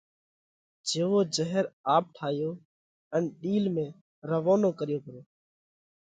جيوو جھير آپ ٺايو ان ڏِيل ۾ روَونو ڪريو پرو۔